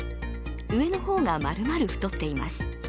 上の方がまるまる太っています。